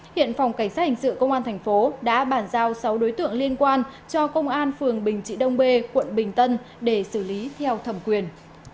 hiện phòng cảnh sát hình sự công an thành phố đã bàn giao sáu đối tượng liên quan cho công an phường bình trị đông bê quận bình tân để xử lý theo thẩm quyền